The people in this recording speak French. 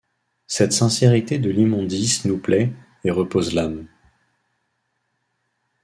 Cette sincérité de l’immondice nous plaît, et repose l’âme.